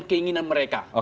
dan keinginan mereka